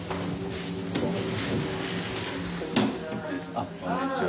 あっこんにちは。